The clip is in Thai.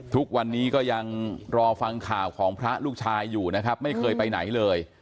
ทุกวันนี้ก็ยังรอฟังข่าวของพระลูกชายอยู่นะครับไม่เคยไปไหนเลย